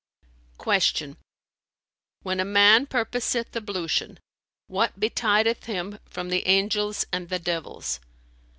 '" Q "When a man purposeth ablution, what betideth him from the angels and the devils?"